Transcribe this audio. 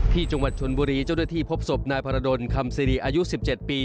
ที่จังหวัดชนบุรีเจ้าด้วยที่พบศพนายพรดนคำซีรีย์อายุสิบเจ็ดปี